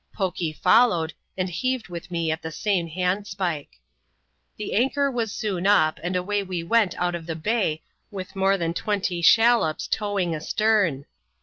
FAj followed, and heaved with me at the same handspike. llie anchor was soon up, and aVay we went out of the bay irith more than twenty shallops towing astern.